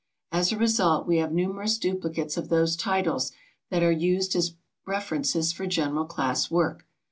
As a result we have numerous duplicates of those titles that are used as references for general class work.